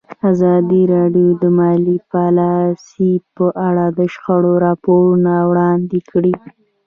ازادي راډیو د مالي پالیسي په اړه د شخړو راپورونه وړاندې کړي.